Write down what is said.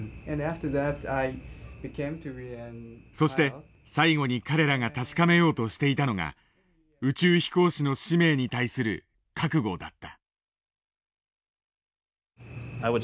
そして最後に彼らが確かめようとしていたのが宇宙飛行士の使命に対する覚悟だった。